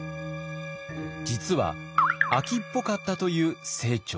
実は飽きっぽかったという清張。